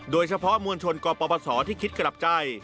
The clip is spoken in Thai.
โดยเฉพาะมวลชนกปศที่คิดกลับใจ